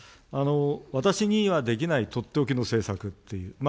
私にはできない取って置きの政策っていう。